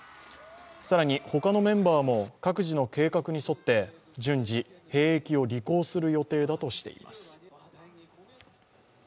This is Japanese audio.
更に他のメンバーも各自の計画に沿って順次、兵役を履行する予定だとしています。